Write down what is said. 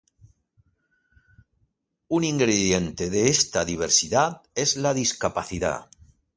Un ingrediente de esta diversidad es la discapacidad.